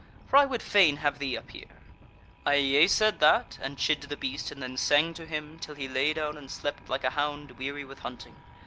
For I would fain have thee up here.' "I yeasaid that, and chid the beast, and then sang to him till he lay down and slept like a hound weary with hunting.